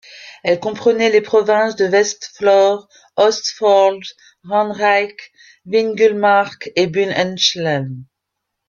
Elle comprenait les provinces de Vestfold, Østfold, Ranrike, Vingulmark et Båhuslen.